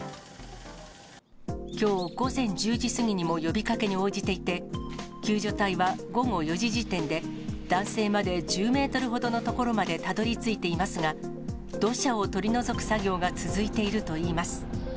きょう午前１０時過ぎにも呼びかけに応じていて、救助隊は午後４時時点で、男性まで１０メートルほどの所までたどりついていますが、土砂を取り除く作業が続いているといいます。